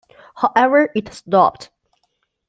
However, it stopped.